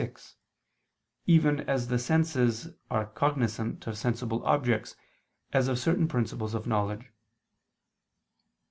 _ vi, even as the senses are cognizant of sensible objects as of certain principles of knowledge.